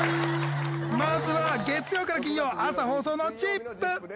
まずは月曜から金曜朝放送の『ＺＩＰ！』。